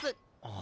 あ？